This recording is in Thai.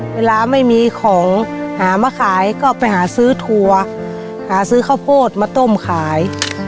เวลาไม่มีของหามาขายก็ไปหาซื้อถั่วหาซื้อข้าวโพดมาต้มขาย